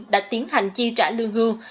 đã tiến hành chi trả lương hưu